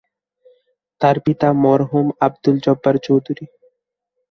তার পিতা মরহুম আব্দুল জব্বার চৌধুরী।